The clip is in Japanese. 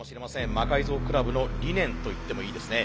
魔改造倶楽部の理念といってもいいですね。